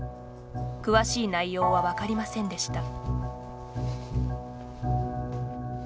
詳しい内容は分かりませんでした。